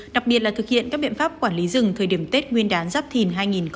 đặc biệt là thực hiện các biện pháp quản lý rừng thời điểm tết nguyên đán giáp thìn hai nghìn hai mươi bốn